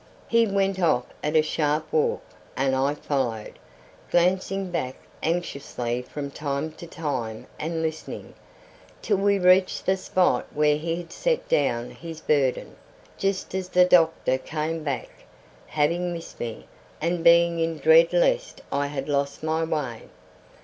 He went off at a sharp walk and I followed, glancing back anxiously from time to time and listening, till we reached the spot where he had set down his burden, just as the doctor came back, having missed me, and being in dread lest I had lost my way.